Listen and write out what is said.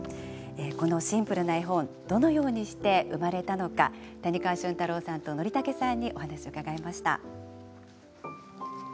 このシンプルな絵本どのようにして生まれたのか谷川俊太郎さんとＮｏｒｉｔａｋｅさんにお話を伺いました。